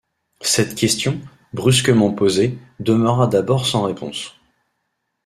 Cette question, brusquement posée, demeura d’abord sans réponse.